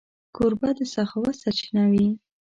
کوربه د سخاوت سرچینه وي.